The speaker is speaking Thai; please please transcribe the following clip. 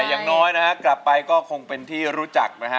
อย่างน้อยนะฮะกลับไปก็คงเป็นที่รู้จักนะฮะ